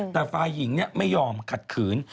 แต่ฝ่ายหญิงไม่ยอมขัดขืน